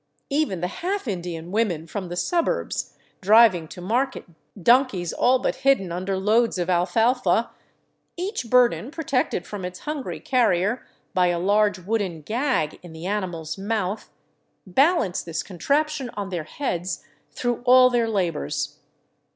Even the half Indian women from the suburbs, driving to market donkeys all but hidden under loads of alfalfa — each burden protected from its hungry carrier by a large wooden gag in the animal's mouth — balance this contraption on their heads through all their labors.